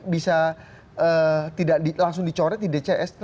bisa tidak langsung dicoret di dcs